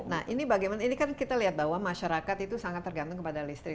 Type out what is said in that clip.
nah ini bagaimana ini kan kita lihat bahwa masyarakat itu sangat tergantung kepada listrik